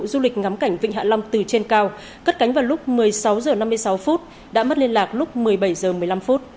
du lịch ngắm cảnh vịnh hạ long từ trên cao cất cánh vào lúc một mươi sáu h năm mươi sáu phút đã mất liên lạc lúc một mươi bảy h một mươi năm